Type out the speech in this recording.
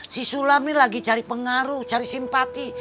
si sulam ini lagi cari pengaruh cari simpati